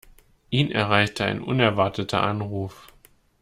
Ihn erreichte ein unerwarteter Anruf.